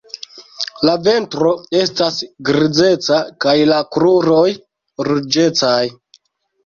La ventro estas grizeca kaj la kruroj ruĝecaj.